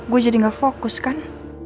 gue jadi gak fokus kan